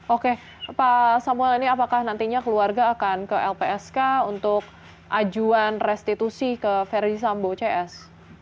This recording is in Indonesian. oke pak samuel ini apakah nantinya keluarga akan ke lpsk untuk ajuan restitusi ke verdi sambo cs